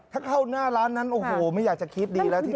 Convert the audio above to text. ถ้าเข้าหน้าร้านนั้นโอ้โหไม่อยากจะคิดดีแล้วที่